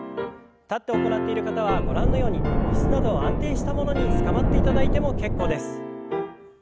立って行っている方はご覧のように椅子など安定したものにつかまっていただいても結構です。